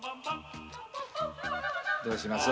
どうします？